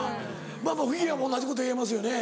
フィギュアも同じこと言えますよね